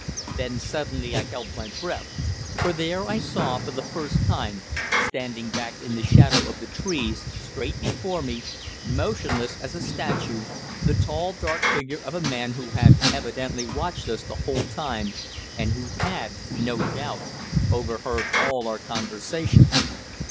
Then suddenly I held my breath, for there I saw for the first time, standing back in the shadow of the trees, straight before me, motionless as a statue, the tall, dark figure of a man who had evidently watched us the whole time, and who had, no doubt, overheard all our conversation!